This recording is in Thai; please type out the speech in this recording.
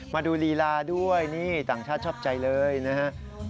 มาดูลีลาด้วยนี่ต่างชาติชอบใจเลยนะฮะ